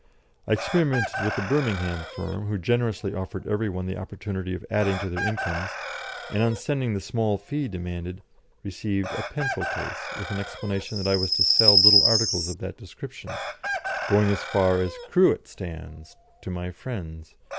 I experimented with a Birmingham firm, who generously offered every one the opportunity of adding to their incomes, and on sending the small fee demanded, received a pencil case, with an explanation that I was to sell little articles of that description, going as far as cruet stands, to my friends.